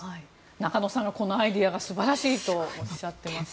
中野さん、このアイデアが素晴らしいとおっしゃってます。